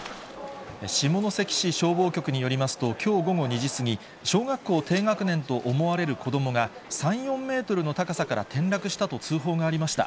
下関市消防局によりますと、きょう午後２時過ぎ、小学校低学年と思われる子どもが、３、４メートルの高さから転落したと通報がありました。